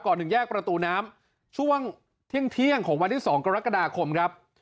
ถึงแยกประตูน้ำช่วงเที่ยงของวันที่๒กรกฎาคมครับ